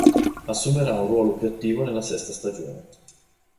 Assumerà un ruolo più attivo nella sesta stagione.